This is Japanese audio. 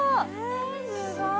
すごーい！